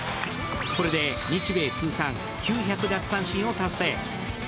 これで日米通算９００奪三振を達成。